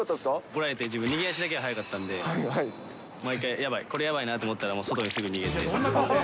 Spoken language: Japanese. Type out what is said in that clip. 怒られても自分は逃げ足だけ速かったんで、これ、やばいなと思ったら、外にすぐ逃げて。